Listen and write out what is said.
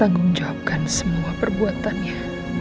pertanggung jawabkan semua perbuatannya